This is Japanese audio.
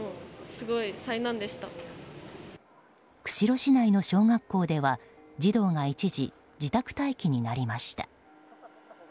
釧路市内の小学校では児童が一時自宅待機になりました。